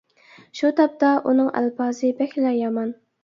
شۇ تاپتا، ئۇنىڭ ئەلپازى بەكلا يامان.